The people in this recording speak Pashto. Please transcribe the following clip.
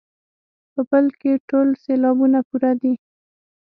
په بل کې ټول سېلابونه پوره دي.